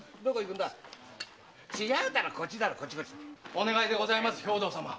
お願いでございます兵藤様